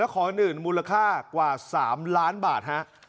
และของอื่นมูลค่ากว่า๓ล้านบาท